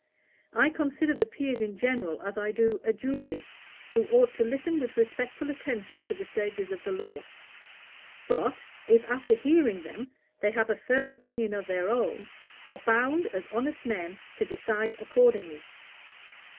I consider the Peers in general as I do a Jury, who ought to listen with respectful attention to the sages of the law; but, if after hearing them, they have a firm opinion of their own, are bound, as honest men, to decide accordingly.